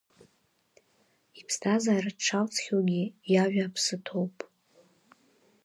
Иԥсҭазаара дшалҵхьоугьы, иажәа аԥсы ҭоуп…